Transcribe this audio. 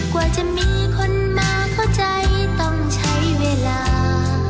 กว่าจะมีคนมาเข้าใจต้องใช้เวลา